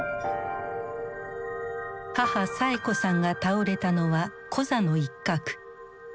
母・サエ子さんが倒れたのはコザの一角。